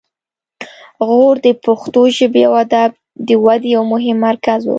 غور د پښتو ژبې او ادب د ودې یو مهم مرکز و